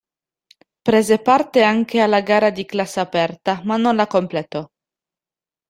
Prese parte anche alla gara di classe aperta ma non la completò.